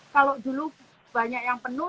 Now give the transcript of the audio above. kalau dulu banyak yang penuh